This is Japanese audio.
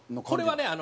これはね